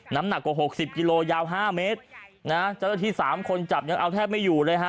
น้ำหนักกว่าหกสิบกิโลยาว๕เมตรนะเจ้าหน้าที่สามคนจับยังเอาแทบไม่อยู่เลยฮะ